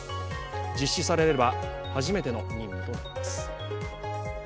実施されれば初めての任務となります。